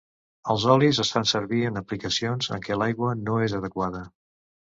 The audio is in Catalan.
Els olis es fan servir en aplicacions en què l'aigua no és adequada.